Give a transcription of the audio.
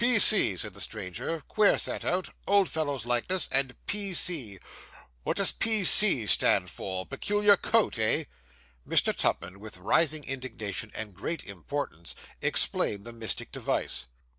'"P. C."' said the stranger 'queer set out old fellow's likeness, and "P. C." What does "P. C." stand for Peculiar Coat, eh?' Mr. Tupman, with rising indignation and great importance, explained the mystic device.